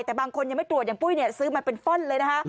แต่บางคนยังไม่ตรวจอย่างปุ้ยเนี่ยซื้อมาเป็นฟ่อนเลยนะคะ